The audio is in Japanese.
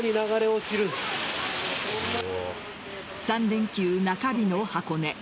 ３連休中日の箱根。